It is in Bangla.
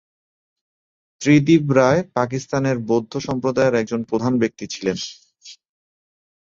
ত্রিদিব রায় পাকিস্তানের বৌদ্ধ সম্প্রদায়ের একজন প্রধান ব্যক্তি ছিলেন।